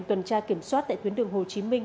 tuần tra kiểm soát tại tuyến đường hồ chí minh